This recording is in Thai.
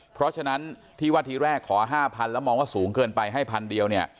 เพราะฉะนั้นที่ว่าทีแรกขอ๕๐๐๐แล้วมองว่าสูงเกินไปให้พันเดียวเนี่ย